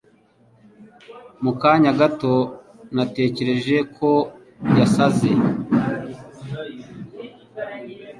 Mu kanya gato, natekereje ko yasaze.